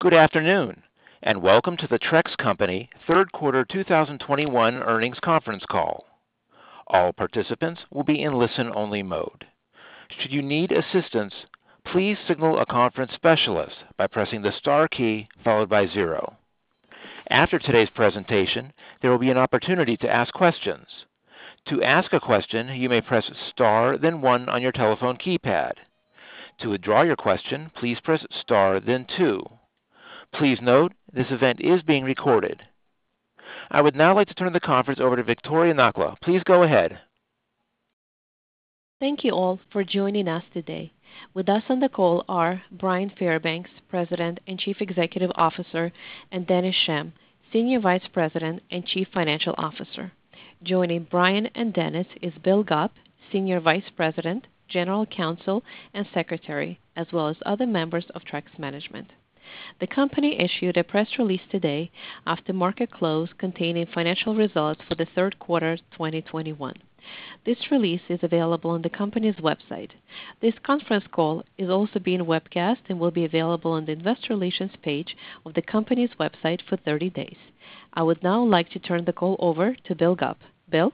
Good afternoon, and welcome to the Trex Company third quarter 2021 earnings conference call. All participants will be in listen-only mode. Should you need assistance, please signal a conference specialist by pressing the star key followed by zero. After today's presentation, there will be an opportunity to ask questions. To ask a question, you may press star then one on your telephone keypad. To withdraw your question, please press star then two. Please note, this event is being recorded. I would now like to turn the conference over to Viktoriia Nakhla. Please go ahead. Thank you all for joining us today. With us on the call are Bryan Fairbanks, President and Chief Executive Officer, and Dennis Schemm, Senior Vice President and Chief Financial Officer. Joining Bryan and Dennis is Bill Gupp, Senior Vice President, General Counsel, and Secretary, as well as other members of Trex Management. The company issued a press release today after market close containing financial results for the third quarter of 2021. This release is available on the company's website. This conference call is also being webcasted and will be available on the investor relations page of the company's website for 30 days. I would now like to turn the call over to Bill Gupp. Bill?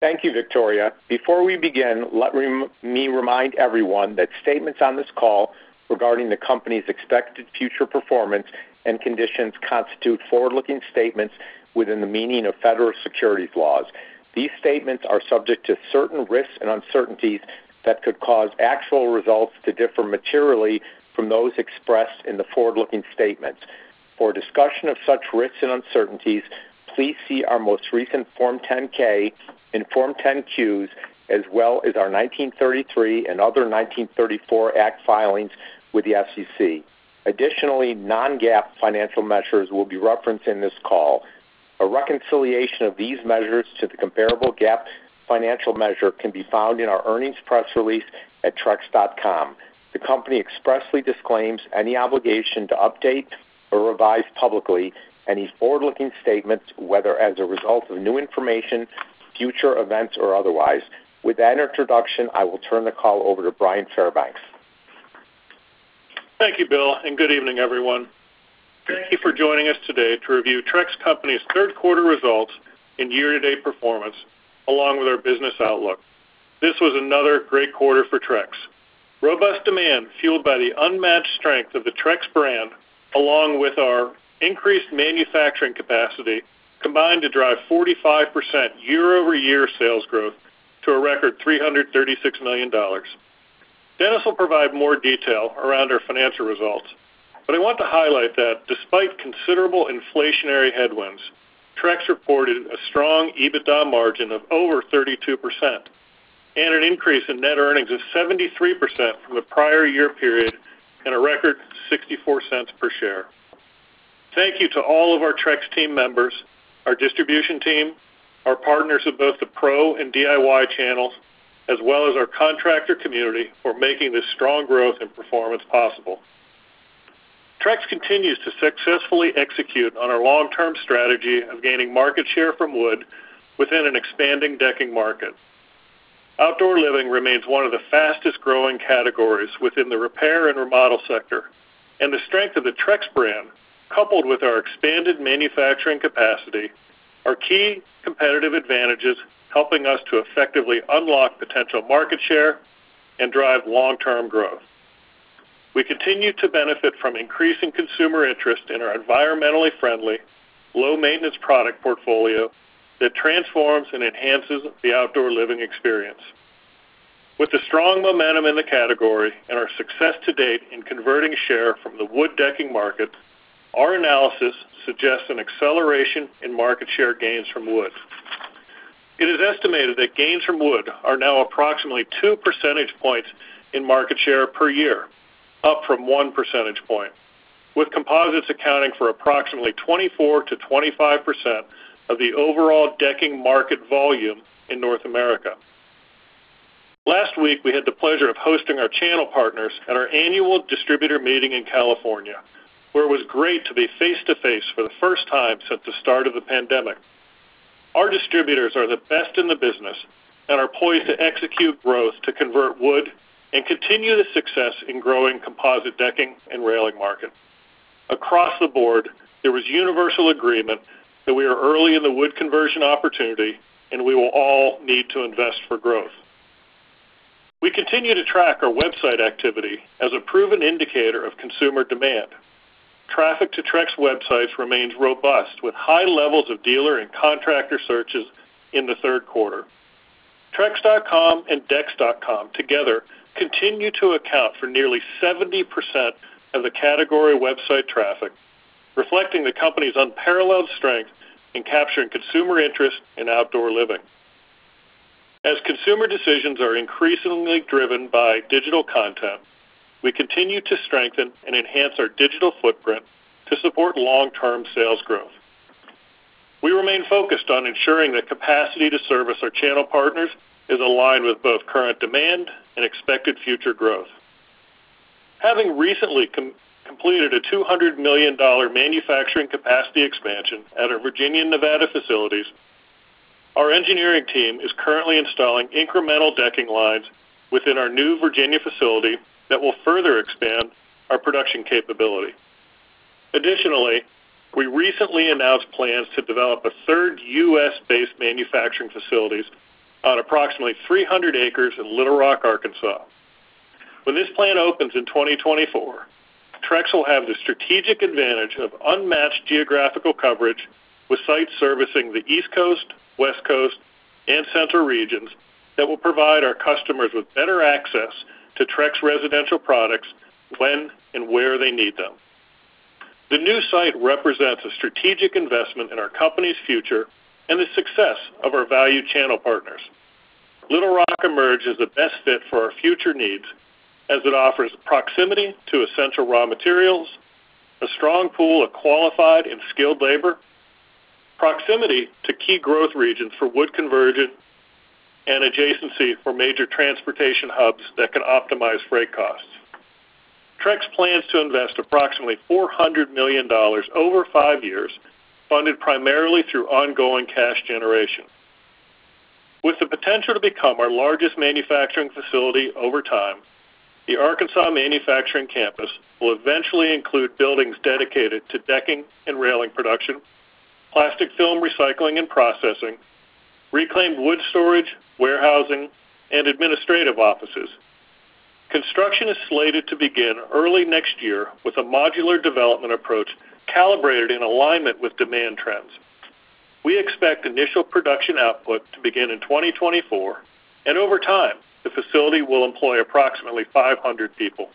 Thank you, Viktoriia. Before we begin, let me remind everyone that statements on this call regarding the company's expected future performance and conditions constitute forward-looking statements within the meaning of Federal Securities laws. These statements are subject to certain risks and uncertainties that could cause actual results to differ materially from those expressed in the forward-looking statements. For a discussion of such risks and uncertainties, please see our most recent Form 10-K and Form 10-Qs, as well as our nineteen thirty-three and other nineteen thirty-four act filings with the SEC. Additionally, non-GAAP financial measures will be referenced in this call. A reconciliation of these measures to the comparable GAAP financial measure can be found in our earnings press release at trex.com. The company expressly disclaims any obligation to update or revise publicly any forward-looking statements, whether as a result of new information, future events, or otherwise. With that introduction, I will turn the call over to Bryan Fairbanks. Thank you, Bill, and good evening, everyone. Thank you for joining us today to review Trex Company's third quarter results and year-to-date performance, along with our business outlook. This was another great quarter for Trex. Robust demand, fueled by the unmatched strength of the Trex brand, along with our increased manufacturing capacity, combined to drive 45% year-over-year sales growth to a record $336 million. Dennis will provide more detail around our financial results, but I want to highlight that despite considerable inflationary headwinds, Trex reported a strong EBITDA margin of over 32% and an increase in net earnings of 73% from the prior year period and a record $0.64 per share. Thank you to all of our Trex team members, our distribution team, our partners of both the pro and DIY channels, as well as our contractor community for making this strong growth and performance possible. Trex continues to successfully execute on our long-term strategy of gaining market share from wood within an expanding decking market. Outdoor living remains one of the fastest-growing categories within the repair and remodel sector, and the strength of the Trex brand, coupled with our expanded manufacturing capacity, are key competitive advantages helping us to effectively unlock potential market share and drive long-term growth. We continue to benefit from increasing consumer interest in our environmentally friendly, low-maintenance product portfolio that transforms and enhances the outdoor living experience. With the strong momentum in the category and our success to date in converting share from the wood decking market, our analysis suggests an acceleration in market share gains from wood. It is estimated that gains from wood are now approximately two percentage points in market share per year, up from one percentage point, with composites accounting for approximately 24%-25% of the overall decking market volume in North America. Last week, we had the pleasure of hosting our channel partners at our annual distributor meeting in California, where it was great to be face to face for the first time since the start of the pandemic. Our distributors are the best in the business and are poised to execute growth to convert wood and continue the success in growing composite decking and railing market. Across the board, there was universal agreement that we are early in the wood conversion opportunity, and we will all need to invest for growth. We continue to track our website activity as a proven indicator of consumer demand. Traffic to Trex websites remains robust, with high levels of dealer and contractor searches in the third quarter. trex.com and decks.com together continue to account for nearly 70% of the category website traffic, reflecting the company's unparalleled strength in capturing consumer interest in outdoor living. As consumer decisions are increasingly driven by digital content, we continue to strengthen and enhance our digital footprint to support long-term sales growth. We remain focused on ensuring the capacity to service our channel partners is aligned with both current demand and expected future growth. Having recently completed a $200 million manufacturing capacity expansion at our Virginia and Nevada facilities. Our engineering team is currently installing incremental decking lines within our new Virginia facility that will further expand our production capability. Additionally, we recently announced plans to develop a third U.S.-based manufacturing facilities on approximately 300 acres in Little Rock, Arkansas. When this plant opens in 2024, Trex will have the strategic advantage of unmatched geographical coverage, with sites servicing the East Coast, West Coast, and central regions that will provide our customers with better access to Trex Residential products when and where they need them. The new site represents a strategic investment in our company's future and the success of our value channel partners. Little Rock, Arkansas, emerged as the best fit for our future needs as it offers proximity to essential raw materials, a strong pool of qualified and skilled labor, proximity to key growth regions for wood conversion, and adjacency for major transportation hubs that can optimize freight costs. Trex plans to invest approximately $400 million over five years, funded primarily through ongoing cash generation. With the potential to become our largest manufacturing facility over time, the Arkansas manufacturing campus will eventually include buildings dedicated to decking and railing production, plastic film recycling and processing, reclaimed wood storage, warehousing, and administrative offices. Construction is slated to begin early next year with a modular development approach calibrated in alignment with demand trends. We expect initial production output to begin in 2024, and over time, the facility will employ approximately 500 people.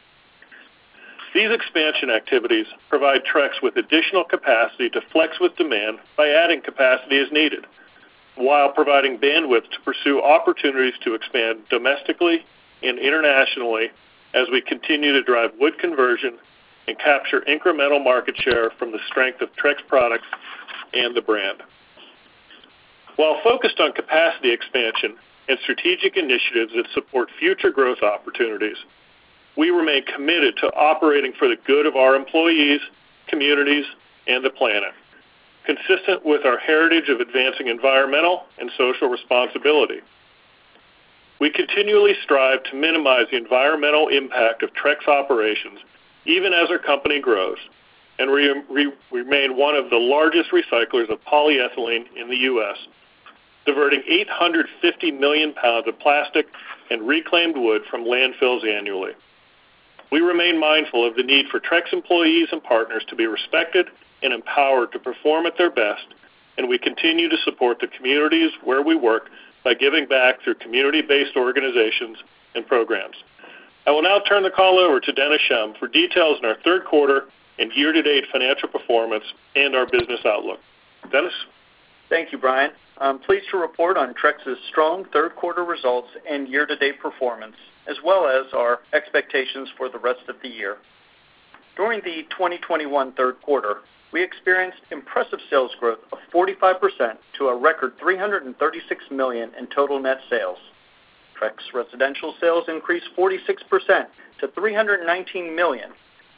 These expansion activities provide Trex with additional capacity to flex with demand by adding capacity as needed, while providing bandwidth to pursue opportunities to expand domestically and internationally as we continue to drive wood conversion and capture incremental market share from the strength of Trex products and the brand. While focused on capacity expansion and strategic initiatives that support future growth opportunities, we remain committed to operating for the good of our employees, communities, and the planet, consistent with our heritage of advancing environmental and social responsibility. We continually strive to minimize the environmental impact of Trex operations even as our company grows, and remain one of the largest recyclers of polyethylene in the U.S., diverting 850 million pounds of plastic and reclaimed wood from landfills annually. We remain mindful of the need for Trex employees and partners to be respected and empowered to perform at their best, and we continue to support the communities where we work by giving back through community-based organizations and programs. I will now turn the call over to Dennis Schemm for details on our third quarter and year-to-date financial performance and our business outlook. Dennis? Thank you, Bryan. I'm pleased to report on Trex's strong third quarter results and year-to-date performance, as well as our expectations for the rest of the year. During the 2021 third quarter, we experienced impressive sales growth of 45% to a record $336 million in total net sales. Trex Residential sales increased 46% to $319 million,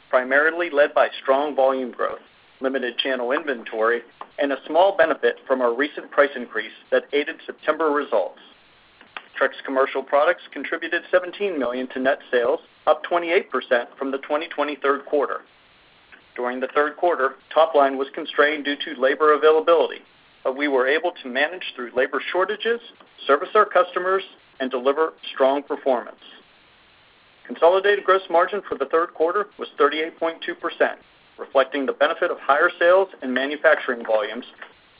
primarily led by strong volume growth, limited channel inventory, and a small benefit from our recent price increase that aided September results. Trex Commercial products contributed $17 million to net sales, up 28% from the 2020 quarter. During the third quarter, top line was constrained due to labor availability, but we were able to manage through labor shortages, service our customers, and deliver strong performance. Consolidated gross margin for the third quarter was 38.2%, reflecting the benefit of higher sales and manufacturing volumes,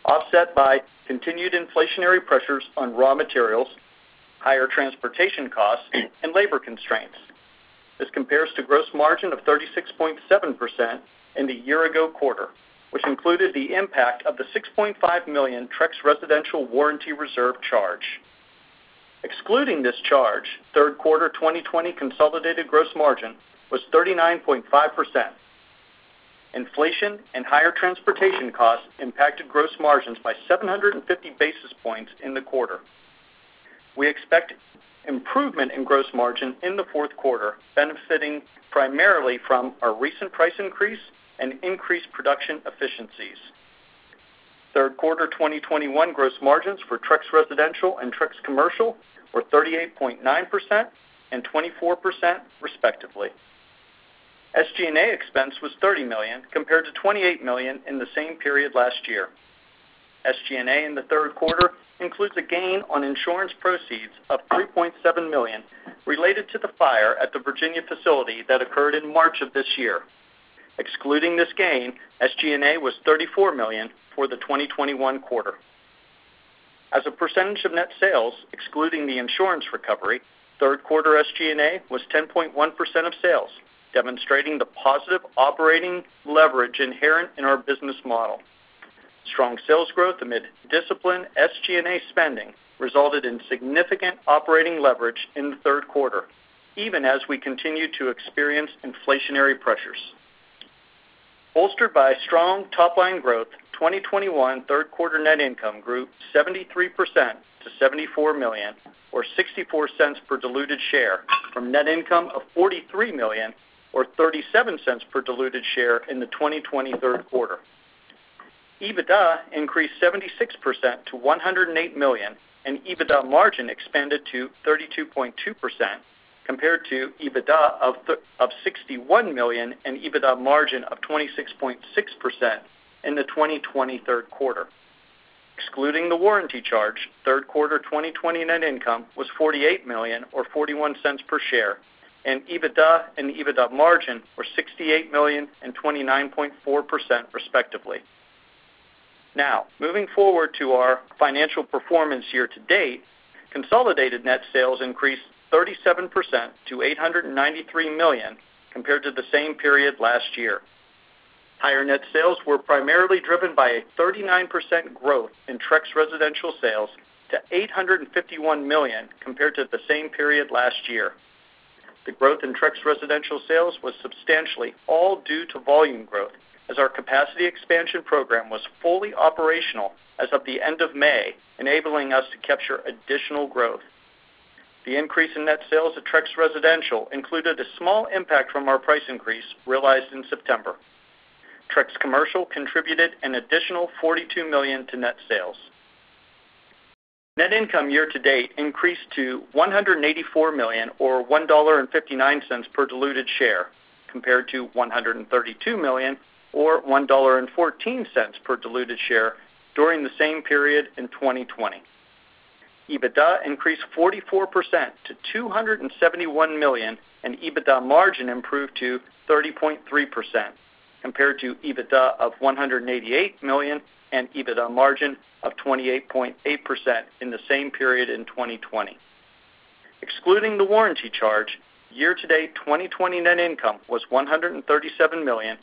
offset by continued inflationary pressures on raw materials, higher transportation costs, and labor constraints. This compares to gross margin of 36.7% in the year ago quarter, which included the impact of the $6.5 million Trex Residential warranty reserve charge. Excluding this charge, third quarter 2020 consolidated gross margin was 39.5%. Inflation and higher transportation costs impacted gross margins by 750 basis points in the quarter. We expect improvement in gross margin in the fourth quarter, benefiting primarily from our recent price increase and increased production efficiencies. Third quarter 2021 gross margins for Trex Residential and Trex Commercial were 38.9% and 24% respectively. SG&A expense was $30 million, compared to $28 million in the same period last year. SG&A in the third quarter includes a gain on insurance proceeds of $3.7 million related to the fire at the Virginia facility that occurred in March of this year. Excluding this gain, SG&A was $34 million for the 2021 quarter. As a percentage of net sales, excluding the insurance recovery, third quarter SG&A was 10.1% of sales, demonstrating the positive operating leverage inherent in our business model. Strong sales growth amid disciplined SG&A spending resulted in significant operating leverage in the third quarter, even as we continued to experience inflationary pressures. Bolstered by strong top line growth, 2021 third quarter net income grew 73% to $74 million or $0.64 per diluted share from net income of $43 million or $0.37 per diluted share in the 2020 third quarter. EBITDA increased 76% to $108 million, and EBITDA margin expanded to 32.2% compared to EBITDA of $61 million and EBITDA margin of 26.6% in the 2020 third quarter. Excluding the warranty charge, third quarter 2020 net income was $48 million or $0.41 per share, and EBITDA and EBITDA margin were $68 million and 29.4% respectively. Now, moving forward to our financial performance year-to-date, consolidated net sales increased 37% to $893 million compared to the same period last year. Higher net sales were primarily driven by a 39% growth in Trex Residential sales to $851 million compared to the same period last year. The growth in Trex Residential sales was substantially all due to volume growth as our capacity expansion program was fully operational as of the end of May, enabling us to capture additional growth. The increase in net sales at Trex Residential included a small impact from our price increase realized in September. Trex Commercial contributed an additional $42 million to net sales. Net income year-to-date increased to $184 million or $1.59 per diluted share compared to $132 million or $1.14 per diluted share during the same period in 2020. EBITDA increased 44% to $271 million, and EBITDA margin improved to 30.3% compared to EBITDA of $188 million and EBITDA margin of 28.8% in the same period in 2020. Excluding the warranty charge, year-to-date 2020 net income was $137 million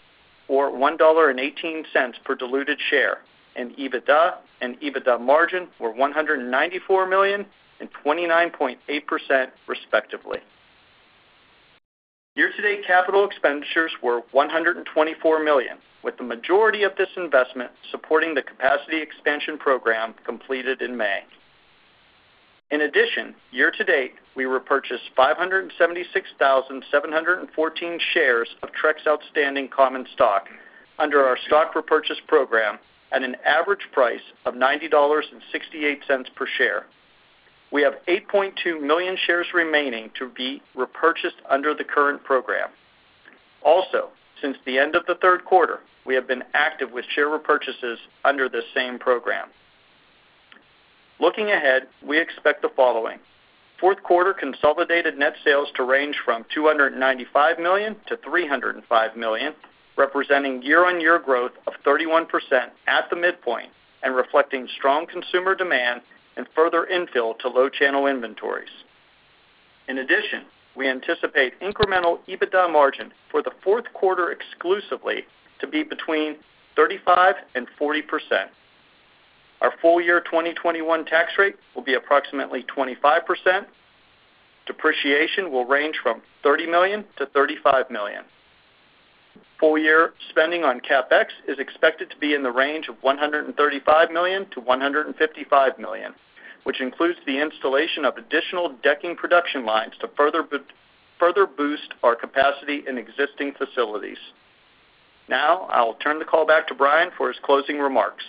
or $1.18 per diluted share, and EBITDA and EBITDA margin were $194 million and 29.8% respectively. Year-to-date capital expenditures were $124 million, with the majority of this investment supporting the capacity expansion program completed in May. In addition, year-to-date, we repurchased 576,714 shares of Trex outstanding common stock under our stock repurchase program at an average price of $90.68 per share. We have 8.2 million shares remaining to be repurchased under the current program. Also, since the end of the third quarter, we have been active with share repurchases under the same program. Looking ahead, we expect the following. Fourth quarter consolidated net sales to range from $295 million-$305 million, representing year-on-year growth of 31% at the midpoint and reflecting strong consumer demand and further infill to low channel inventories. In addition, we anticipate incremental EBITDA margin for the fourth quarter exclusively to be between 35%-40%. Our full year 2021 tax rate will be approximately 25%. Depreciation will range from $30 million-$35 million. Full year spending on CapEx is expected to be in the range of $135 million-$155 million, which includes the installation of additional decking production lines to further boost our capacity in existing facilities. Now, I will turn the call back to Bryan for his closing remarks.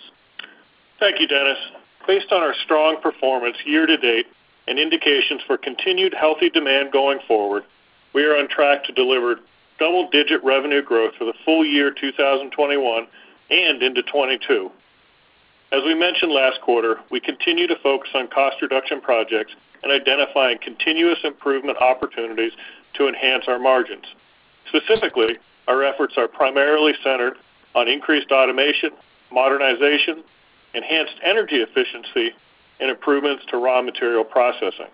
Thank you, Dennis. Based on our strong performance year-to-date and indications for continued healthy demand going forward, we are on track to deliver double-digit revenue growth for the full year 2021 and into 2022. As we mentioned last quarter, we continue to focus on cost reduction projects and identifying continuous improvement opportunities to enhance our margins. Specifically, our efforts are primarily centered on increased automation, modernization, enhanced energy efficiency, and improvements to raw material processing.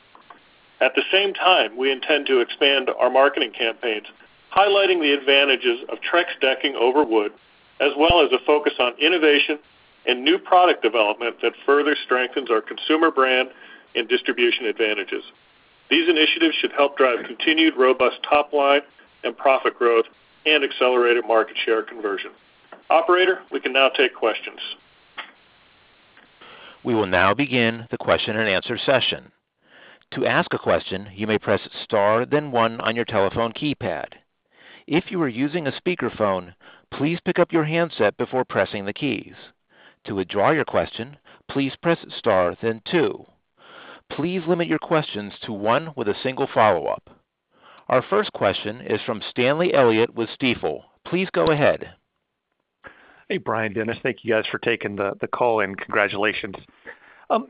At the same time, we intend to expand our marketing campaigns, highlighting the advantages of Trex decking over wood, as well as a focus on innovation and new product development that further strengthens our consumer brand and distribution advantages. These initiatives should help drive continued robust top line and profit growth and accelerated market share conversion. Operator, we can now take questions. We will now begin the question-and-answer session. To ask a question, you may press star then one on your telephone keypad. If you are using a speakerphone, please pick up your handset before pressing the keys. To withdraw your question, please press star then two. Please limit your questions to one with a single follow-up. Our first question is from Stanley Elliott with Stifel. Please go ahead. Hey, Bryan, Dennis. Thank you guys for taking the call and congratulations. I'm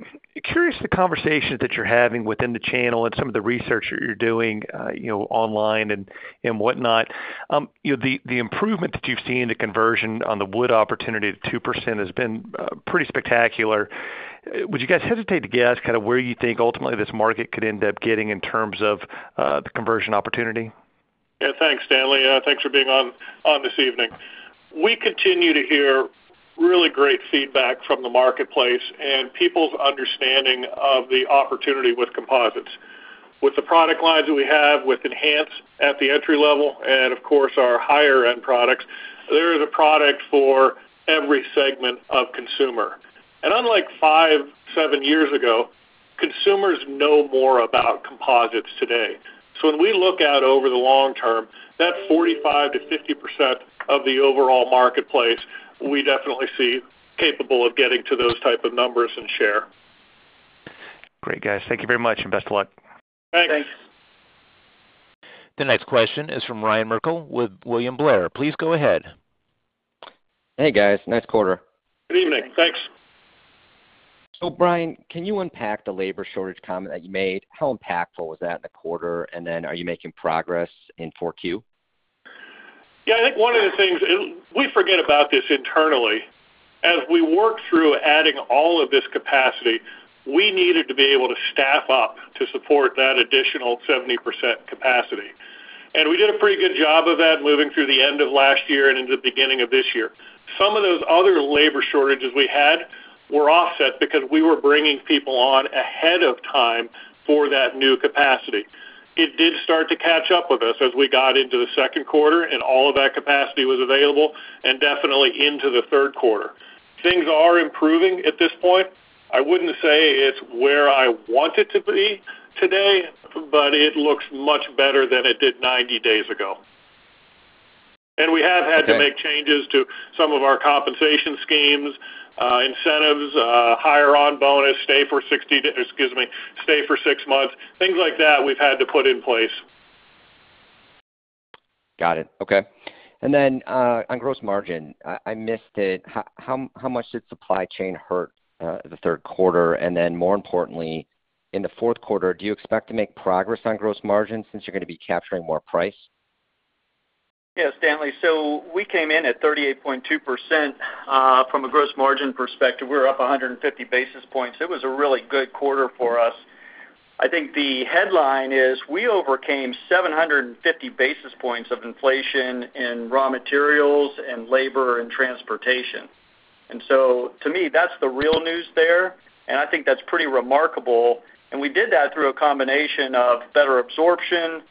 curious about the conversations that you're having within the channel and some of the research that you're doing, you know, online and whatnot. You know, the improvement that you've seen, the conversion on the wood opportunity to 2% has been pretty spectacular. Would you guys hesitate to guess kind of where you think ultimately this market could end up getting in terms of the conversion opportunity? Yeah, thanks, Stanley. Thanks for being on this evening. We continue to hear really great feedback from the marketplace and people's understanding of the opportunity with composites. With the product lines that we have with Enhance at the entry level and of course, our higher end products, there is a product for every segment of consumer. Unlike five, seven years ago, consumers know more about composites today. When we look out over the long term, that 45%-50% of the overall marketplace, we definitely see capable of getting to those type of numbers and share. Great, guys. Thank you very much, and best of luck. Thanks. Thanks. The next question is from Ryan Merkel with William Blair. Please go ahead. Hey, guys. Nice quarter. Good evening. Thanks. Thanks. Bryan, can you unpack the labor shortage comment that you made? How impactful was that in the quarter? Then are you making progress in 4Q? Yeah, I think one of the things, and we forget about this internally. As we work through adding all of this capacity, we needed to be able to staff up to support that additional 70% capacity. We did a pretty good job of that moving through the end of last year and into the beginning of this year. Some of those other labor shortages we had were offset because we were bringing people on ahead of time for that new capacity. It did start to catch up with us as we got into the second quarter and all of that capacity was available and definitely into the third quarter. Things are improving at this point. I wouldn't say it's where I want it to be today, but it looks much better than it did 90 days ago. We have had to make changes to some of our compensation schemes, incentives, sign-on bonus, stay for six months. Things like that we've had to put in place. Got it. Okay. On gross margin, I missed it. How much did supply chain hurt the third quarter? More importantly, in the fourth quarter, do you expect to make progress on gross margin since you're gonna be capturing more price? Yeah, Stanley. We came in at 38.2%, from a gross margin perspective. We were up 150 basis points. It was a really good quarter for us. I think the headline is we overcame 750 basis points of inflation in raw materials and labor and transportation. To me, that's the real news there, and I think that's pretty remarkable. We did that through a combination of better absorption,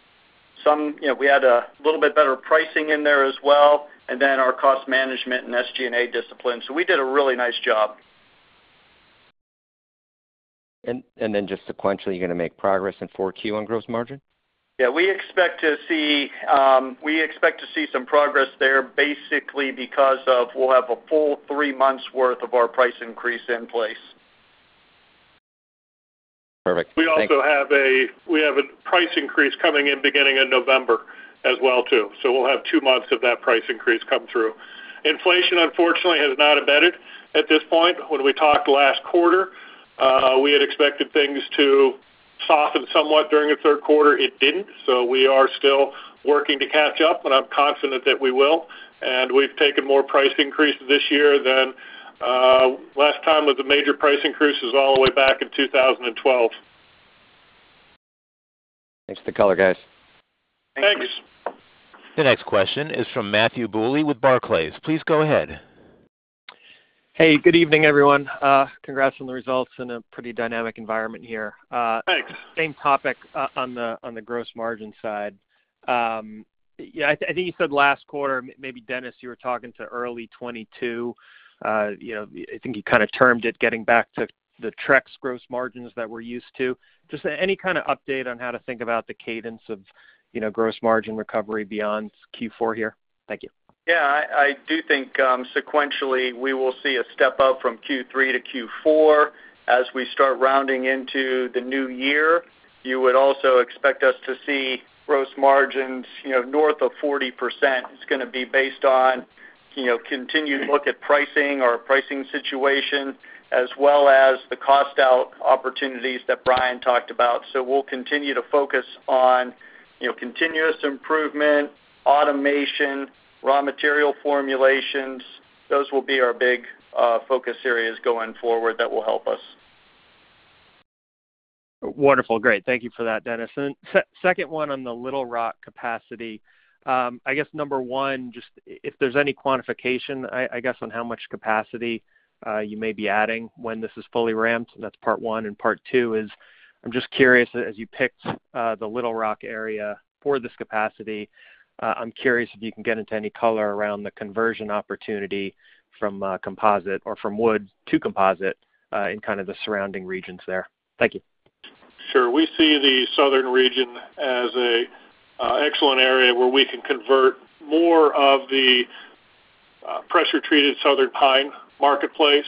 some you know, we had a little bit better pricing in there as well, and then our cost management and SG&A discipline. We did a really nice job. Just sequentially, you're gonna make progress in Q4 on gross margin? Yeah, we expect to see some progress there basically because we'll have a full three months worth of our price increase in place. Perfect. Thank you. We have a price increase coming in beginning in November as well, too. We'll have two months of that price increase come through. Inflation, unfortunately, has not abated at this point. When we talked last quarter, we had expected things to soften somewhat during the third quarter. It didn't. We are still working to catch up, and I'm confident that we will. We've taken more price increases this year than last time with the major price increase all the way back in 2012. Thanks for the color, guys. Thanks. Thanks. The next question is from Matthew Bouley with Barclays. Please go ahead. Hey, good evening, everyone. Congrats on the results in a pretty dynamic environment here. Thanks. Same topic on the gross margin side. Yeah, I think you said last quarter, maybe Dennis, you were talking to early 22%. You know, I think you kinda termed it getting back to the Trex gross margins that we're used to. Just any kind of update on how to think about the cadence of, you know, gross margin recovery beyond Q4 here? Thank you. Yeah. I do think sequentially, we will see a step up from Q3 to Q4. As we start rounding into the new year, you would also expect us to see gross margins, you know, north of 40%. It's gonna be based on, you know, continued look at pricing or pricing situation, as well as the cost out opportunities that Bryan talked about. We'll continue to focus on, you know, continuous improvement, automation, raw material formulations. Those will be our big focus areas going forward that will help us. Wonderful. Great. Thank you for that, Dennis. Second one on the Little Rock capacity. I guess number one, just if there's any quantification, I guess on how much capacity you may be adding when this is fully ramped. That's part one. Part two is, I'm just curious, as you picked the Little Rock area for this capacity, I'm curious if you can get into any color around the conversion opportunity from wood to composite in kind of the surrounding regions there. Thank you. Sure. We see the southern region as a excellent area where we can convert more of the pressure treated southern pine marketplace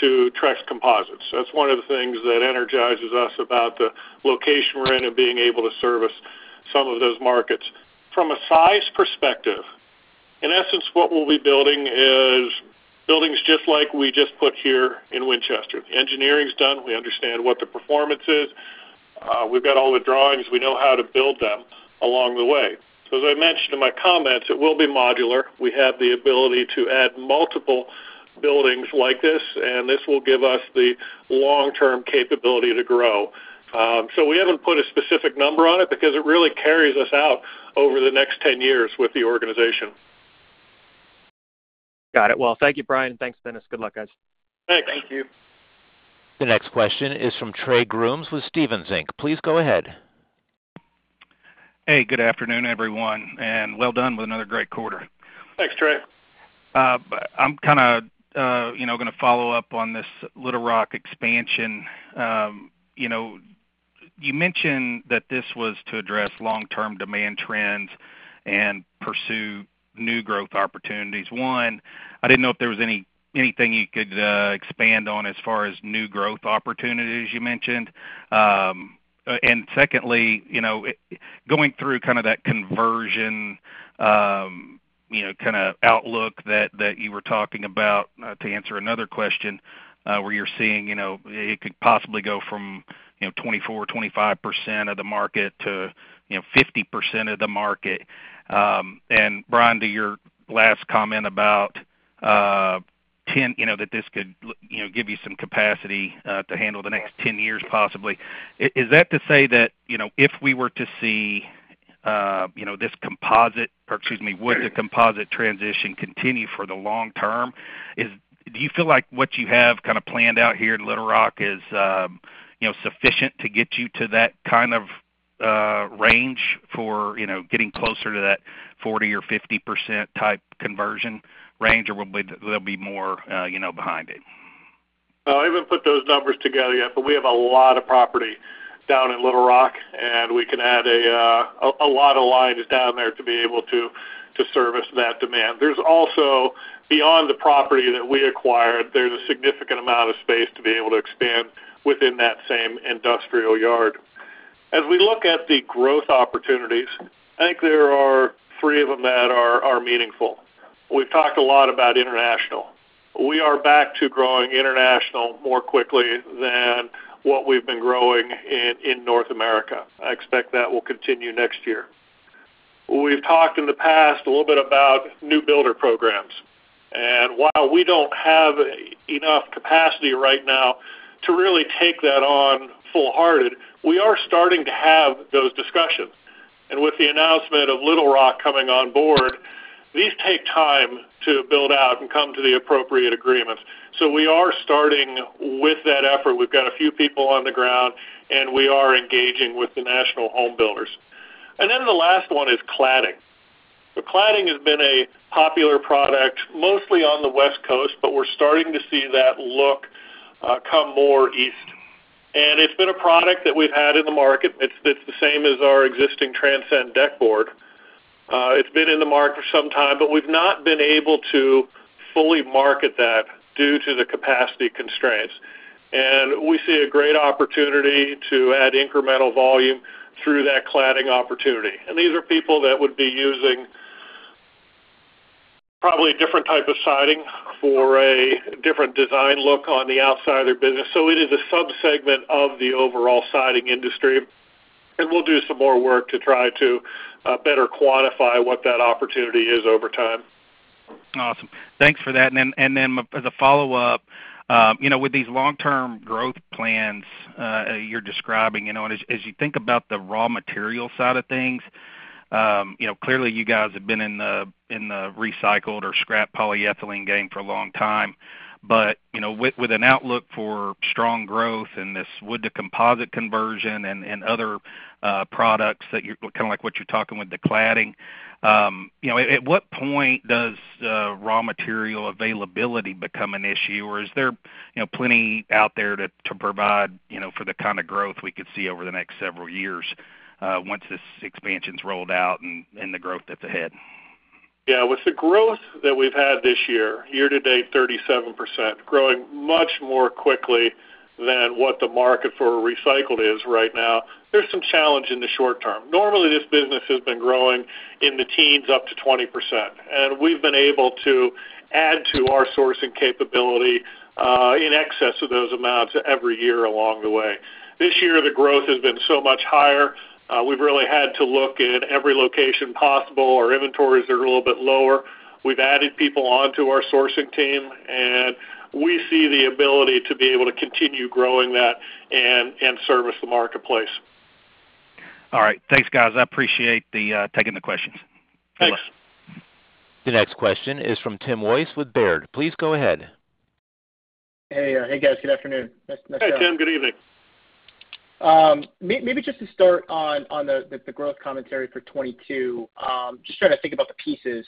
to Trex composites. That's one of the things that energizes us about the location we're in and being able to service some of those markets. From a size perspective, in essence, what we'll be building is buildings just like we just put here in Winchester. The engineering's done. We understand what the performance is. We've got all the drawings. We know how to build them along the way. So as I mentioned in my comments, it will be modular. We have the ability to add multiple buildings like this, and this will give us the long-term capability to grow. So we haven't put a specific number on it because it really carries us out over the next 10 years with the organization. Got it. Well, thank you, Bryan. Thanks, Dennis. Good luck, guys. Thanks. Thank you. The next question is from Trey Grooms with Stephens Inc. Please go ahead. Hey, good afternoon, everyone, and well done with another great quarter. Thanks, Trey. I'm kinda you know gonna follow up on this Little Rock expansion. You know, you mentioned that this was to address long-term demand trends and pursue new growth opportunities. One, I didn't know if there was anything you could expand on as far as new growth opportunities you mentioned. Secondly, you know, going through kind of that conversion, you know, kind of outlook that you were talking about to answer another question, where you're seeing, you know, it could possibly go from, you know, 24%-25% of the market to, you know, 50% of the market. Bryan, to your last comment about 10, you know, that this could give you some capacity to handle the next 10 years possibly. Is that to say that, you know, if we were to see, you know, would the composite transition continue for the long term? Do you feel like what you have kind of planned out here in Little Rock is, you know, sufficient to get you to that kind of range for, you know, getting closer to that 40%-50% type conversion range, or there'll be more, you know, behind it? No, I haven't put those numbers together yet, but we have a lot of property down in Little Rock, and we can add a lot of lines down there to be able to service that demand. There's also, beyond the property that we acquired, there's a significant amount of space to be able to expand within that same industrial yard. As we look at the growth opportunities, I think there are three of them that are meaningful. We've talked a lot about international. We are back to growing international more quickly than what we've been growing in North America. I expect that will continue next year. We've talked in the past a little bit about new builder programs. While we don't have enough capacity right now to really take that on wholeheartedly, we are starting to have those discussions. With the announcement of Little Rock coming on board, these take time to build out and come to the appropriate agreements. We are starting with that effort. We've got a few people on the ground, and we are engaging with the national home builders. Then the last one is cladding. Cladding has been a popular product, mostly on the West Coast, but we're starting to see that look come more east. It's been a product that we've had in the market. It's the same as our existing Transcend deck board. It's been in the market for some time, but we've not been able to fully market that due to the capacity constraints. We see a great opportunity to add incremental volume through that cladding opportunity. These are people that would be using probably a different type of siding for a different design look on the outside of their business. It is a subsegment of the overall siding industry. We'll do some more work to try to better quantify what that opportunity is over time. Awesome. Thanks for that. As a follow-up, you know, with these long-term growth plans you're describing, you know, and as you think about the raw material side of things, you know, clearly you guys have been in the recycled or scrap polyethylene game for a long time. But you know, with an outlook for strong growth and this wood to composite conversion and other products that you're kinda like what you're talking about with the cladding, you know, at what point does raw material availability become an issue? Or is there, you know, plenty out there to provide, you know, for the kind of growth we could see over the next several years, once this expansion's rolled out and the growth that's ahead? Yeah. With the growth that we've had this year to date, 37%, growing much more quickly than what the market for recycled is right now, there's some challenge in the short term. Normally, this business has been growing in the teens up to 20%, and we've been able to add to our sourcing capability in excess of those amounts every year along the way. This year, the growth has been so much higher. We've really had to look in every location possible. Our inventories are a little bit lower. We've added people onto our sourcing team, and we see the ability to be able to continue growing that and service the marketplace. All right. Thanks, guys. I appreciate you taking the questions. Thanks. Good luck. The next question is from Timothy Wojs with Baird. Please go ahead. Hey, hey, guys. Good afternoon. Nice to Hey, Tim. Good evening. Maybe just to start on the growth commentary for 2022, just trying to think about the pieces.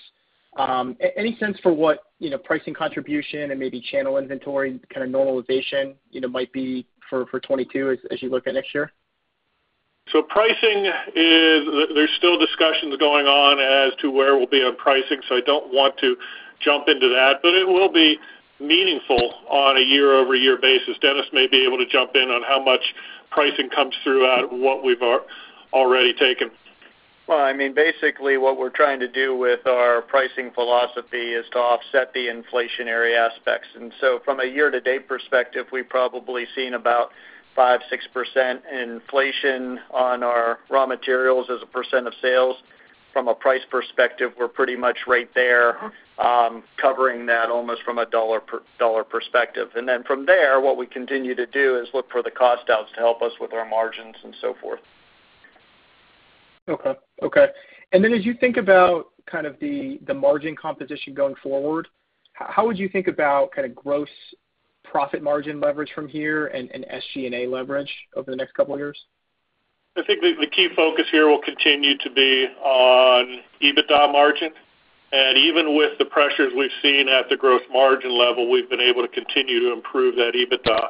Any sense for what, you know, pricing contribution and maybe channel inventory kind of normalization, you know, might be for 2022 as you look at next year? There's still discussions going on as to where we'll be on pricing, so I don't want to jump into that. It will be meaningful on a year-over-year basis. Dennis may be able to jump in on how much pricing comes throughout what we've already taken. Well, I mean, basically what we're trying to do with our pricing philosophy is to offset the inflationary aspects. From a year-to-date perspective, we've probably seen about 5%-6% inflation on our raw materials as a percent of sales. From a price perspective, we're pretty much right there, covering that almost from a dollar per dollar perspective. From there, what we continue to do is look for the cost outs to help us with our margins and so forth. As you think about kind of the margin composition going forward, how would you think about kind of gross profit margin leverage from here and SG&A leverage over the next couple of years? I think the key focus here will continue to be on EBITDA margin. Even with the pressures we've seen at the gross margin level, we've been able to continue to improve that EBITDA.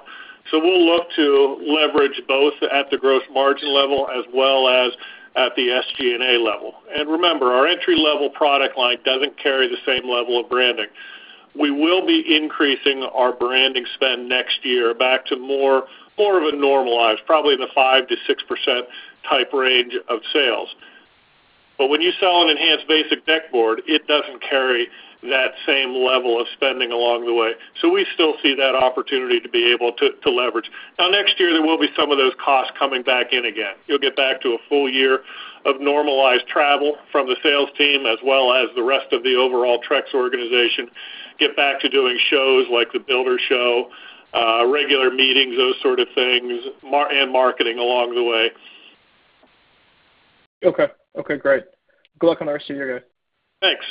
We'll look to leverage both at the gross margin level as well as at the SG&A level. Remember, our entry-level product line doesn't carry the same level of branding. We will be increasing our branding spend next year back to more of a normalized, probably in the 5%-6% type range of sales. When you sell an Enhance Basics deck board, it doesn't carry that same level of spending along the way. We still see that opportunity to be able to leverage. Next year, there will be some of those costs coming back in again. You'll get back to a full year of normalized travel from the sales team as well as the rest of the overall Trex organization, get back to doing shows like the Builder Show, regular meetings, those sort of things, and marketing along the way. Okay. Okay, great. Good luck and our Thanks.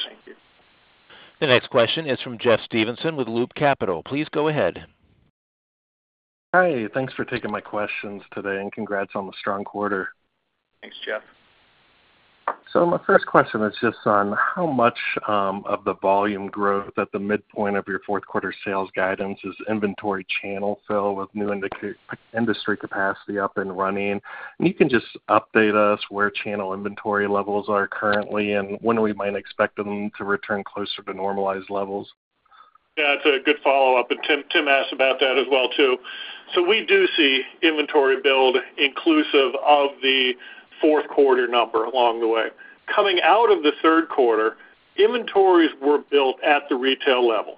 The next question is from Jeff Stevenson with Loop Capital. Please go ahead. Hi. Thanks for taking my questions today, and congrats on the strong quarter. Thanks, Jeff. My first question is just on how much of the volume growth at the midpoint of your fourth quarter sales guidance is inventory channel fill with new industry capacity up and running? You can just update us where channel inventory levels are currently and when we might expect them to return closer to normalized levels. Yeah, it's a good follow-up, and Tim asked about that as well, too. We do see inventory build inclusive of the fourth quarter number along the way. Coming out of the third quarter, inventories were built at the retail level,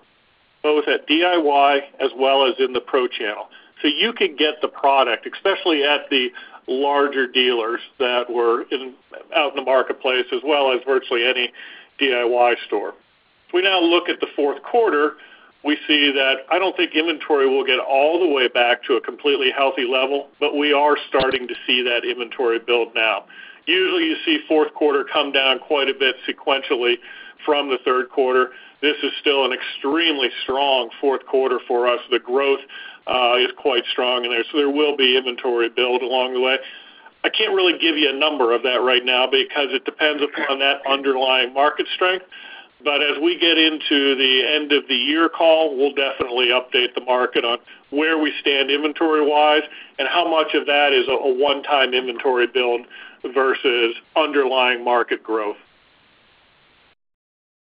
both at DIY as well as in the pro channel. You could get the product, especially at the larger dealers that were out in the marketplace, as well as virtually any DIY store. If we now look at the fourth quarter, we see that I don't think inventory will get all the way back to a completely healthy level, but we are starting to see that inventory build now. Usually, you see fourth quarter come down quite a bit sequentially from the third quarter. This is still an extremely strong fourth quarter for us. The growth is quite strong in there, so there will be inventory build along the way. I can't really give you a number of that right now because it depends upon that underlying market strength. As we get into the end of the year call, we'll definitely update the market on where we stand inventory-wise and how much of that is a one-time inventory build versus underlying market growth.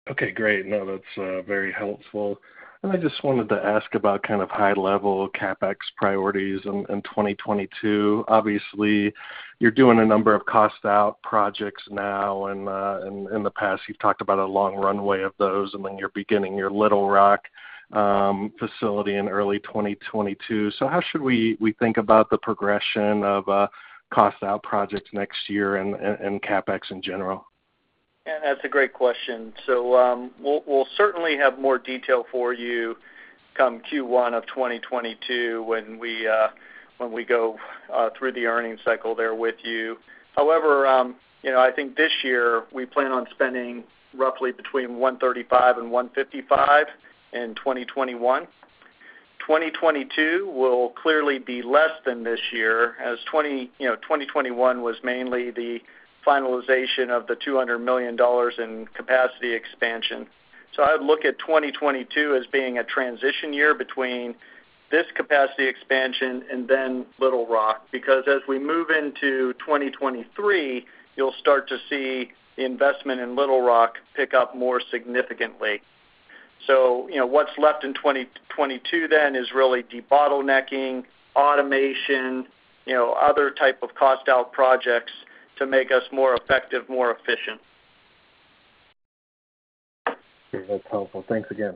Okay, great. No, that's very helpful. I just wanted to ask about kind of high-level CapEx priorities in 2022. Obviously, you're doing a number of cost out projects now, and in the past, you've talked about a long runway of those, and then you're beginning your Little Rock facility in early 2022. How should we think about the progression of cost out projects next year and CapEx in general? Yeah, that's a great question. We'll certainly have more detail for you come Q1 of 2022 when we go through the earnings cycle there with you. However, you know, I think this year we plan on spending roughly between $135 million and $155 million in 2021. 2022 will clearly be less than this year as 2021 was mainly the finalization of the $200 million in capacity expansion. I'd look at 2022 as being a transition year between this capacity expansion and then Little Rock. Because as we move into 2023, you'll start to see investment in Little Rock pick up more significantly. You know, what's left in 2022 then is really debottlenecking, automation, you know, other type of cost out projects to make us more effective, more efficient. Great. That's helpful. Thanks again.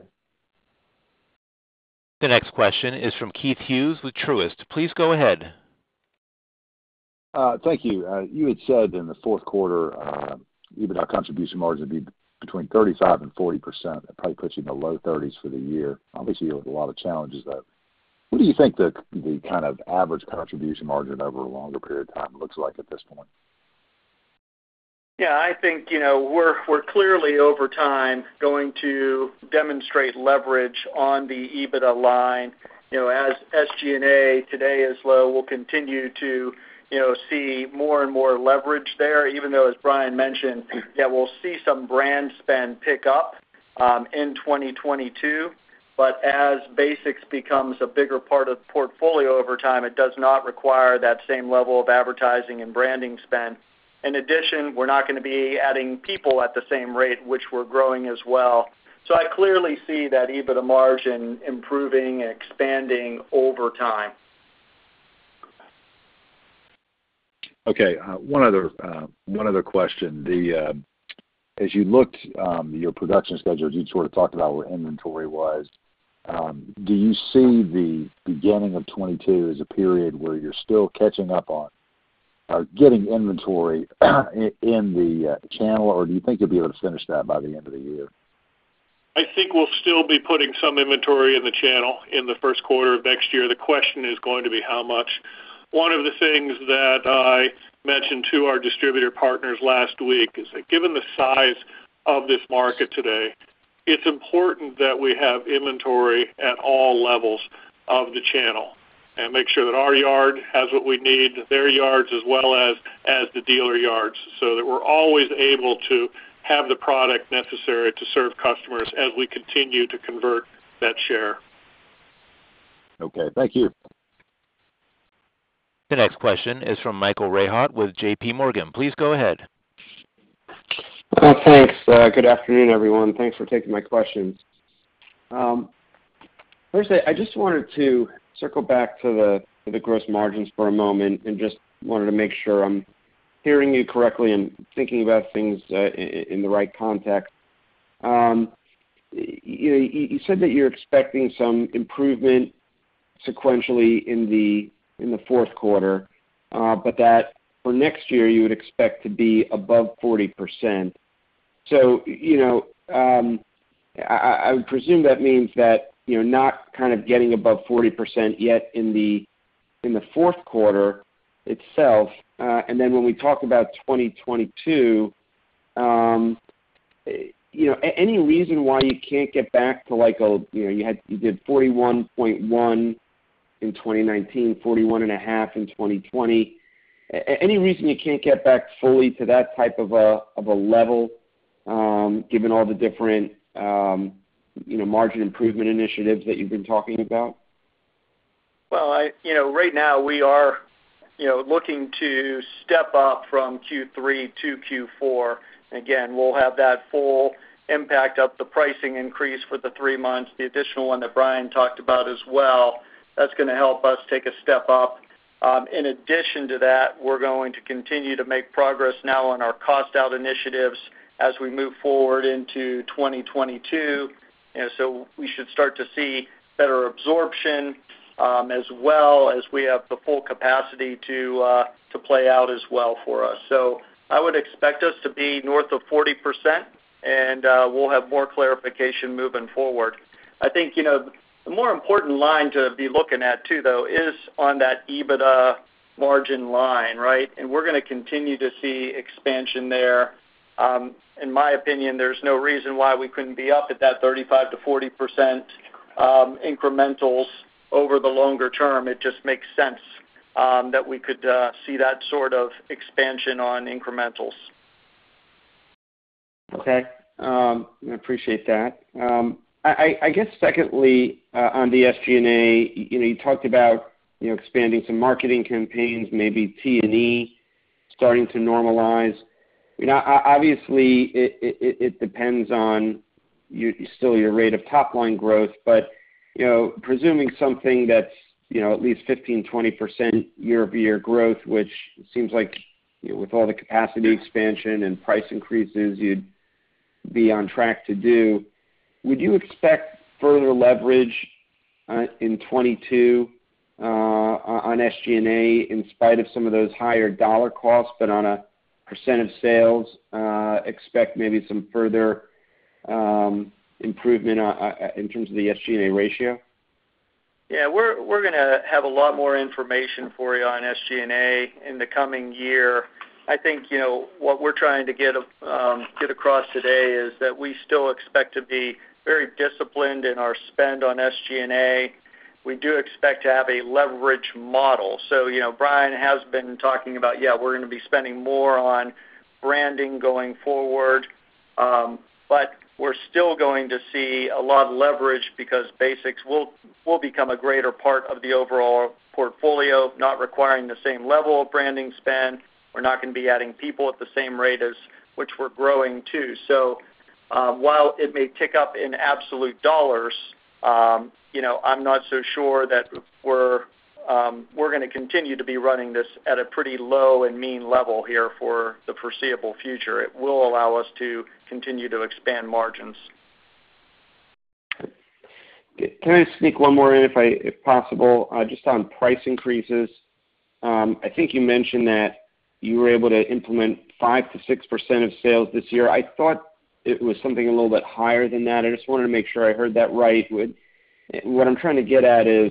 The next question is from Keith Hughes with Truist. Please go ahead. You had said in the fourth quarter EBITDA contribution margin would be between 35%-40%. That probably puts you in the low 30s for the year. Obviously, you had a lot of challenges, but what do you think the kind of average contribution margin over a longer period of time looks like at this point? Yeah, I think, you know, we're clearly over time going to demonstrate leverage on the EBITDA line. You know, as SG&A today is low, we'll continue to, you know, see more and more leverage there, even though, as Bryan mentioned, that we'll see some brand spend pick up in 2022. As basics becomes a bigger part of the portfolio over time, it does not require that same level of advertising and branding spend. In addition, we're not gonna be adding people at the same rate which we're growing as well. I clearly see that EBITDA margin improving and expanding over time. Okay. One other question. As you looked your production schedules, you sort of talked about where inventory was. Do you see the beginning of 2022 as a period where you're still catching up on getting inventory in the channel, or do you think you'll be able to finish that by the end of the year? I think we'll still be putting some inventory in the channel in the first quarter of next year. The question is going to be how much. One of the things that I mentioned to our distributor partners last week is that given the size of this market today, it's important that we have inventory at all levels of the channel and make sure that our yard has what we need, their yards as well as the dealer yards, so that we're always able to have the product necessary to serve customers as we continue to convert that share. Okay, thank you. The next question is from Michael Rehaut with JP Morgan. Please go ahead. Well, thanks. Good afternoon, everyone. Thanks for taking my questions. First, I just wanted to circle back to the gross margins for a moment and just wanted to make sure I'm hearing you correctly and thinking about things in the right context. You know, you said that you're expecting some improvement sequentially in the fourth quarter, but that for next year you would expect to be above 40%. So, you know, I would presume that means that, you know, not kind of getting above 40% yet in the fourth quarter itself. And then when we talk about 2022, you know, any reason why you can't get back to like a, you know, you did 41.1% in 2019, 41.5% in 2020. Any reason you can't get back fully to that type of a level, given all the different, you know, margin improvement initiatives that you've been talking about? Well, you know, right now we are, you know, looking to step up from Q3 to Q4. Again, we'll have that full impact of the pricing increase for the three months, the additional one that Bryan talked about as well. That's gonna help us take a step up. In addition to that, we're going to continue to make progress now on our cost out initiatives as we move forward into 2022. We should start to see better absorption, as well as we have the full capacity to play out as well for us. I would expect us to be north of 40%, and we'll have more clarification moving forward. I think, you know, the more important line to be looking at too, though, is on that EBITDA margin line, right? We're gonna continue to see expansion there. In my opinion, there's no reason why we couldn't be up at that 35%-40% incrementals over the longer term. It just makes sense that we could see that sort of expansion on incrementals. Okay. I appreciate that. I guess secondly, on the SG&A, you know, you talked about, you know, expanding some marketing campaigns, maybe T&E starting to normalize. You know, obviously, it depends on you, still your rate of top line growth. You know, presuming something that's, you know, at least 15%-20% year-over-year growth, which seems like, you know, with all the capacity expansion and price increases you'd be on track to do, would you expect further leverage, in 2022, on SG&A in spite of some of those higher dollar costs, but on a % of sales, expect maybe some further, improvement, in terms of the SG&A ratio? Yeah, we're gonna have a lot more information for you on SG&A in the coming year. I think, you know, what we're trying to get across today is that we still expect to be very disciplined in our spend on SG&A. We do expect to have a leverage model. You know, Bryan has been talking about yeah we're gonna be spending more on branding going forward. But we're still going to see a lot of leverage because Basics will become a greater part of the overall portfolio, not requiring the same level of branding spend. We're not gonna be adding people at the same rate at which we're growing too. While it may tick up in absolute dollars, you know, I'm not so sure that we're gonna continue to be running this at a pretty low and lean level here for the foreseeable future. It will allow us to continue to expand margins. Can I sneak one more in if I, if possible, just on price increases? I think you mentioned that you were able to implement 5%-6% of sales this year. I thought it was something a little bit higher than that. I just wanted to make sure I heard that right. What I'm trying to get at is,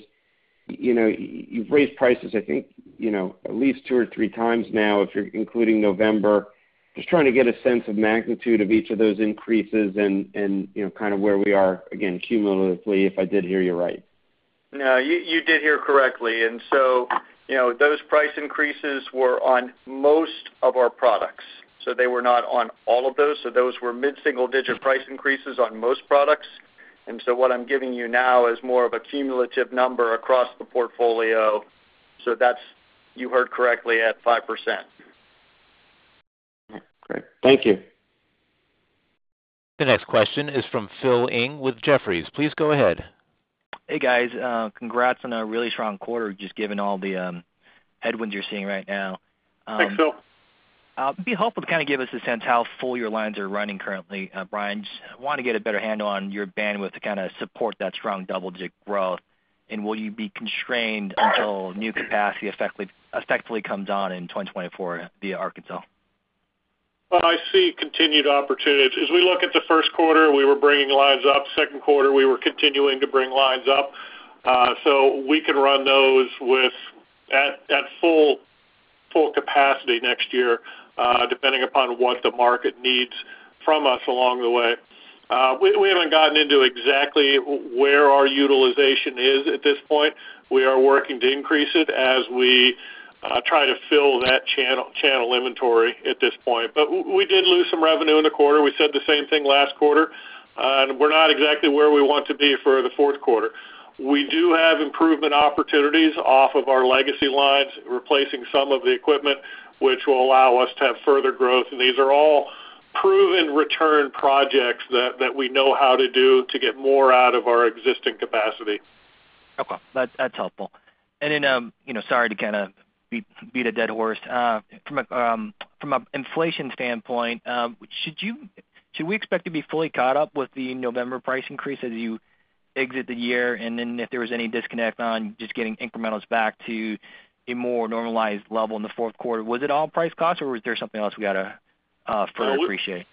you know, you've raised prices, I think, you know, at least two or three times now if you're including November. Just trying to get a sense of magnitude of each of those increases and, you know, kind of where we are, again, cumulatively, if I did hear you right. No, you did hear correctly. You know, those price increases were on most of our products, so they were not on all of those. Those were mid-single digit price increases on most products. What I'm giving you now is more of a cumulative number across the portfolio. That's, you heard correctly at 5%. All right, great. Thank you. The next question is from Phil Ng with Jefferies. Please go ahead. Hey, guys. Congrats on a really strong quarter just given all the headwinds you're seeing right now. Thanks, Phil. It'd be helpful to kind of give us a sense how full your lines are running currently, Bryan. Just want to get a better handle on your bandwidth to kind of support that strong double-digit growth. Will you be constrained until new capacity effectively comes on in 2024 via Arkansas? Well, I see continued opportunities. As we look at the first quarter, we were bringing lines up. Second quarter, we were continuing to bring lines up. We can run those at full capacity next year, depending upon what the market needs from us along the way. We haven't gotten into exactly where our utilization is at this point. We are working to increase it as we try to fill that channel inventory at this point. We did lose some revenue in the quarter. We said the same thing last quarter. We're not exactly where we want to be for the fourth quarter. We do have improvement opportunities off of our legacy lines, replacing some of the equipment, which will allow us to have further growth. These are all proven return projects that we know how to do to get more out of our existing capacity. Okay. That's helpful. You know, sorry to kind of beat a dead horse. From an inflation standpoint, should we expect to be fully caught up with the November price increase as you exit the year? If there was any disconnect on just getting incrementals back to a more normalized level in the fourth quarter, was it all price cost, or was there something else we gotta further appreciate?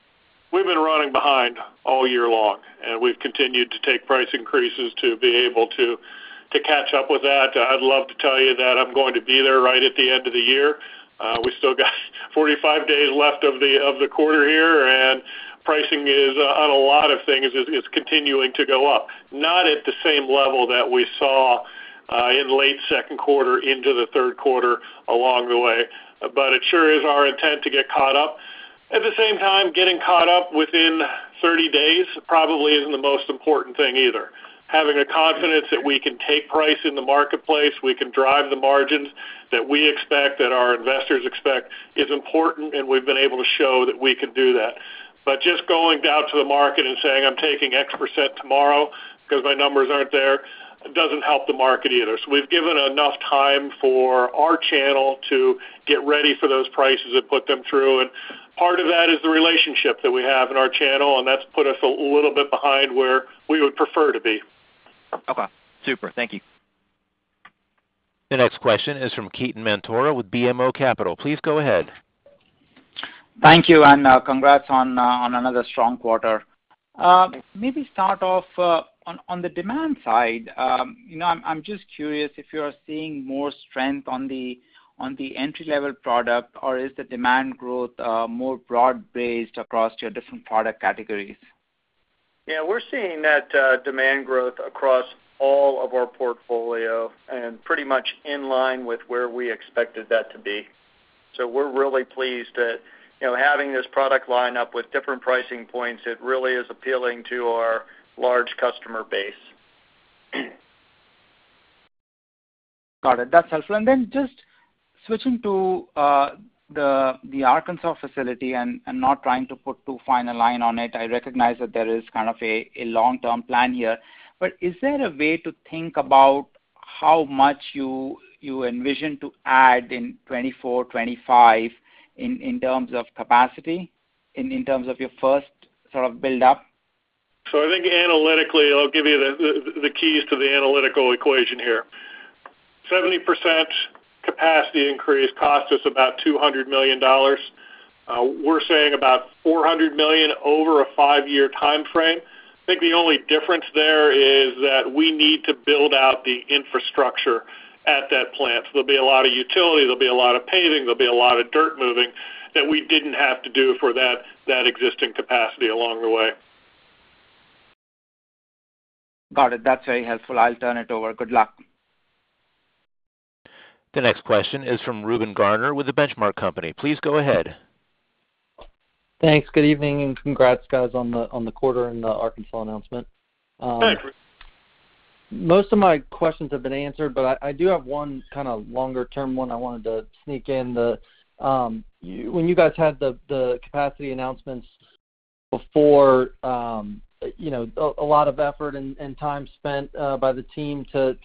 We've been running behind all year long, and we've continued to take price increases to be able to catch up with that. I'd love to tell you that I'm going to be there right at the end of the year. We still got 45 days left of the quarter here, and pricing on a lot of things is continuing to go up, not at the same level that we saw in late second quarter into the third quarter along the way. It sure is our intent to get caught up. At the same time, getting caught up within 30 days probably isn't the most important thing either. Having the confidence that we can take price in the marketplace, we can drive the margins that we expect, that our investors expect, is important, and we've been able to show that we can do that. Just going down to the market and saying, "I'm taking X% tomorrow because my numbers aren't there," doesn't help the market either. We've given enough time for our channel to get ready for those prices and put them through. Part of that is the relationship that we have in our channel, and that's put us a little bit behind where we would prefer to be. Okay. Super. Thank you. The next question is from Ketan Mamtora with BMO Capital. Please go ahead. Thank you, and congrats on another strong quarter. Maybe start off on the demand side. You know, I'm just curious if you're seeing more strength on the entry-level product, or is the demand growth more broad-based across your different product categories? Yeah, we're seeing that demand growth across all of our portfolio and pretty much in line with where we expected that to be. We're really pleased that, you know, having this product line up with different pricing points, it really is appealing to our large customer base. Got it. That's helpful. Just switching to the Arkansas facility and not trying to put too fine a line on it. I recognize that there is kind of a long-term plan here. Is there a way to think about how much you envision to add in 2024, 2025 in terms of capacity, in terms of your first sort of build up? I think analytically, I'll give you the keys to the analytical equation here. 70% capacity increase cost us about $200 million. We're saying about $400 million over a five-year timeframe. I think the only difference there is that we need to build out the infrastructure at that plant. There'll be a lot of utility, there'll be a lot of paving, there'll be a lot of dirt moving that we didn't have to do for that existing capacity along the way. Got it. That's very helpful. I'll turn it over. Good luck. The next question is from Reuben Garner with The Benchmark Company. Please go ahead. Thanks. Good evening, and congrats guys on the quarter and the Arkansas announcement. Thanks. Most of my questions have been answered, but I do have one kind of longer term one I wanted to sneak in. When you guys had the capacity announcements before, you know, a lot of effort and time spent by the team to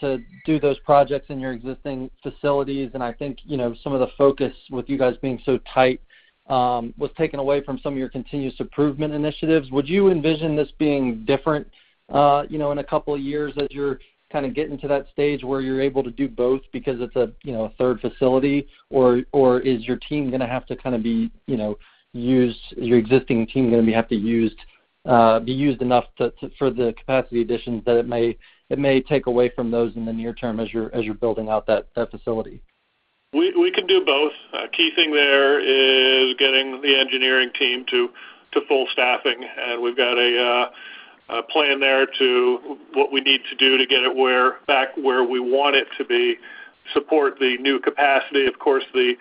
do those projects in your existing facilities, and I think, you know, some of the focus with you guys being so tight was taken away from some of your continuous improvement initiatives. Would you envision this being different, you know, in a couple of years as you're kind of getting to that stage where you're able to do both because it's a, you know, a third facility, or is your existing team gonna have to kind of be used enough for the capacity additions that it may take away from those in the near term as you're building out that facility? We can do both. A key thing there is getting the engineering team to full staffing, and we've got a plan there to what we need to do to get it where we want it to be, support the new capacity. Of course, the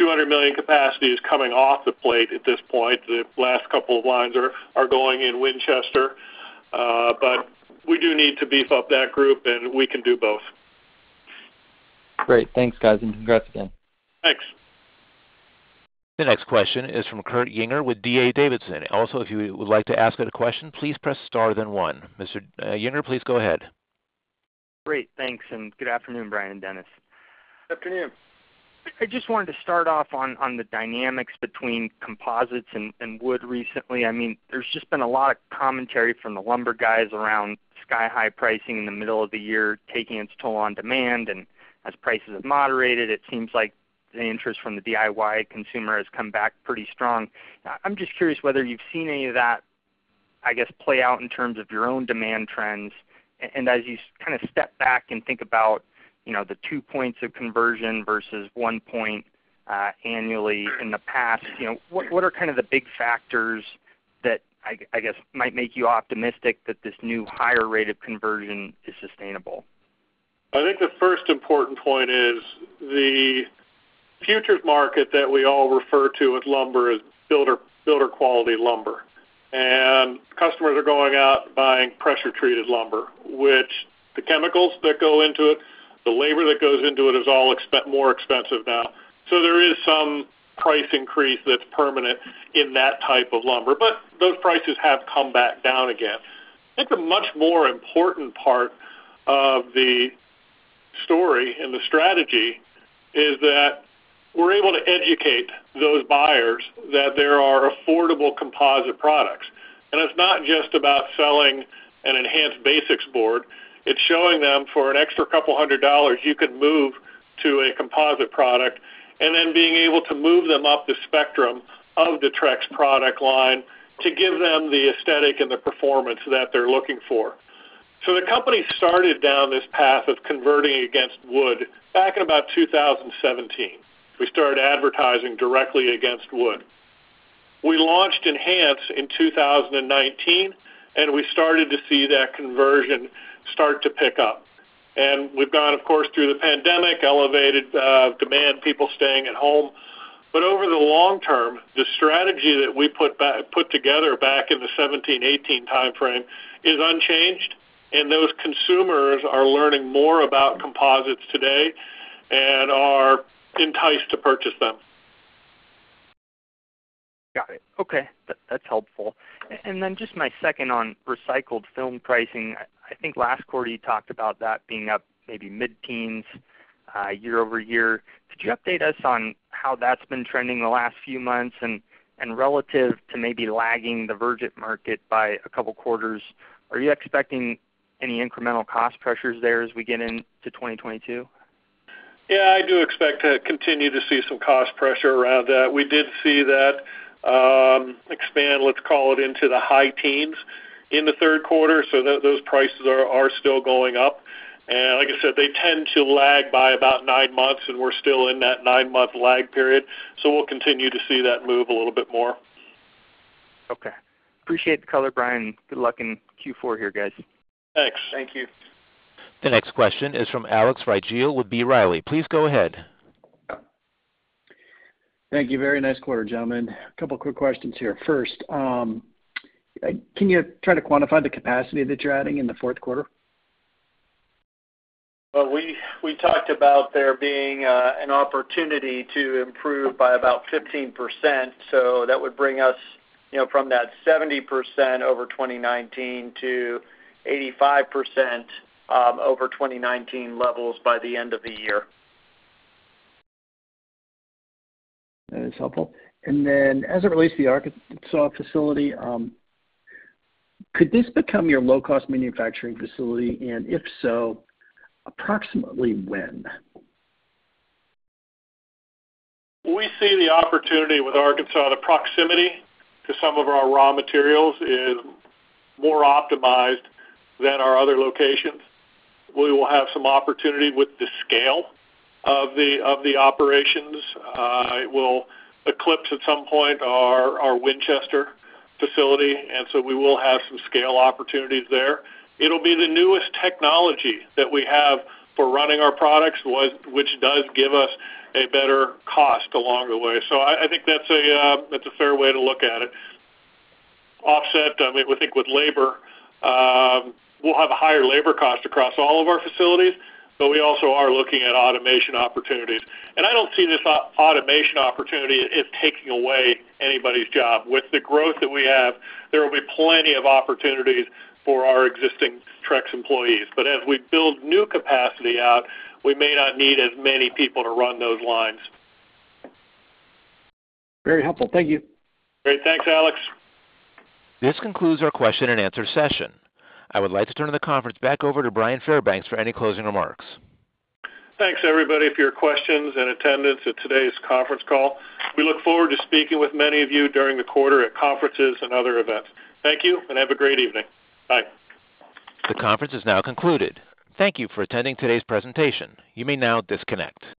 $200 million capacity is coming off the plate at this point. The last couple of lines are going in Winchester. But we do need to beef up that group, and we can do both. Great. Thanks, guys, and congrats again. Thanks. The next question is from Kurt Yinger with D.A. Davidson. Also, if you would like to ask a question, please press star then one. Mr. Yinger, please go ahead. Great. Thanks, and good afternoon, Bryan and Dennis. Afternoon. I just wanted to start off on the dynamics between composites and wood recently. I mean, there's just been a lot of commentary from the lumber guys around sky-high pricing in the middle of the year, taking its toll on demand. As prices have moderated, it seems like the interest from the DIY consumer has come back pretty strong. I'm just curious whether you've seen any of that. I guess, play out in terms of your own demand trends and as you kind of step back and think about, you know, the two points of conversion versus one point annually in the past, you know, what are kind of the big factors that I guess might make you optimistic that this new higher rate of conversion is sustainable? I think the first important point is the futures market that we all refer to as lumber is builder quality lumber. Customers are going out buying pressure-treated lumber, which the chemicals that go into it, the labor that goes into it is all more expensive now. There is some price increase that's permanent in that type of lumber, but those prices have come back down again. I think the much more important part of the story and the strategy is that we're able to educate those buyers that there are affordable composite products. It's not just about selling an Enhance Basics board, it's showing them for an extra $200, you can move to a composite product, and then being able to move them up the spectrum of the Trex product line to give them the aesthetic and the performance that they're looking for. The company started down this path of converting against wood back in about 2017. We started advertising directly against wood. We launched Enhance in 2019, and we started to see that conversion start to pick up. We've gone, of course, through the pandemic, elevated demand, people staying at home. Over the long term, the strategy that we put together back in the 2017-2018 timeframe is unchanged, and those consumers are learning more about composites today and are enticed to purchase them. Got it. Okay. That's helpful. Then just my second on recycled film pricing. I think last quarter you talked about that being up maybe mid-teens year-over-year. Could you update us on how that's been trending the last few months and relative to maybe lagging the virgin market by a couple quarters? Are you expecting any incremental cost pressures there as we get into 2022? Yeah, I do expect to continue to see some cost pressure around that. We did see that expand, let's call it, into the high teens% in the third quarter, so those prices are still going up. Like I said, they tend to lag by about 9 months, and we're still in that 9-month lag period. We'll continue to see that move a little bit more. Okay. Appreciate the color, Bryan. Good luck in Q4 here, guys. Thanks. Thank you. The next question is from Alex Rygiel with B. Riley. Please go ahead. Thank you. Very nice quarter, gentlemen. A couple quick questions here. First, can you try to quantify the capacity that you're adding in the fourth quarter? We talked about there being an opportunity to improve by about 15%, so that would bring us, you know, from that 70% over 2019 to 85% over 2019 levels by the end of the year. That is helpful. As it relates to the Arkansas facility, could this become your low-cost manufacturing facility? If so, approximately when? We see the opportunity with Arkansas, the proximity to some of our raw materials is more optimized than our other locations. We will have some opportunity with the scale of the operations. It will eclipse at some point our Winchester facility, and so we will have some scale opportunities there. It'll be the newest technology that we have for running our products, which does give us a better cost along the way. I think that's a fair way to look at it. Offset, I mean, we think with labor, we'll have a higher labor cost across all of our facilities, but we also are looking at automation opportunities. I don't see this automation opportunity as taking away anybody's job. With the growth that we have, there will be plenty of opportunities for our existing Trex employees. As we build new capacity out, we may not need as many people to run those lines. Very helpful. Thank you. Great. Thanks, Alex. This concludes our question and answer session. I would like to turn the conference back over to Bryan Fairbanks for any closing remarks. Thanks, everybody, for your questions and attendance at today's conference call. We look forward to speaking with many of you during the quarter at conferences and other events. Thank you, and have a great evening. Bye. The conference is now concluded. Thank you for attending today's presentation. You may now disconnect.